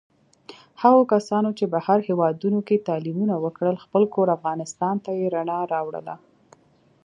هغو کسانو چې بهر هېوادونوکې تعلیمونه وکړل، خپل کور افغانستان ته یې رڼا راوړله.